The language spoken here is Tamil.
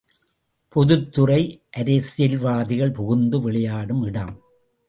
பொதுத்துறை, அரசியல்வாதிகள் புகுந்து விளையாடும் இடம்!